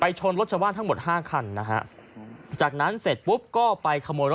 ชนรถชาวบ้านทั้งหมดห้าคันนะฮะจากนั้นเสร็จปุ๊บก็ไปขโมยรถ